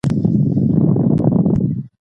اوس درې طبي لارې د مخنیوي لپاره شته.